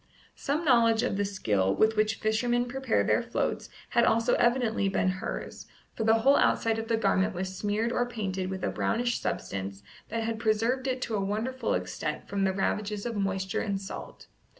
Some knowledge of the skill with which fishermen prepare their floats had also evidently been hers, for the whole outside of the garment was smeared or painted with a brownish substance that had preserved it to a wonderful extent from the ravages of moisture and salt.